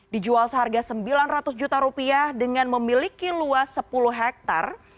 di jual seharga rp sembilan ratus juta dengan memiliki luas sepuluh hektare